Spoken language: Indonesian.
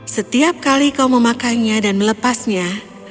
setiap kali kau memakainya dan melepasnya